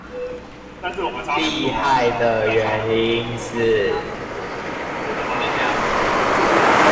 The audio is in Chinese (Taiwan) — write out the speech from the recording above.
厲害的原因是